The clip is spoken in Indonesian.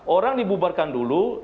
orang dibubarkan dulu